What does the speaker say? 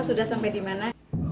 sudah sampai di mana